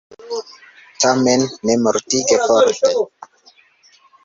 Tamen, ne mortige forte!